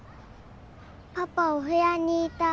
パパお部屋にいた。